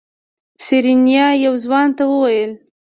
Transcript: سېرېنا يو ځوان ته وويل.